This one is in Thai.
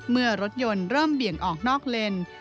เมื่อรถยนต์เริ่มเบี่ยงออกนอกเลน